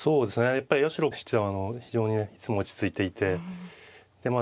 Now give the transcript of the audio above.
やっぱり八代七段は非常にねいつも落ち着いていてでまあ